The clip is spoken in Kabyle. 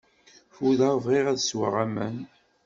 Fudeɣ, bɣiɣ ad sweɣ aman.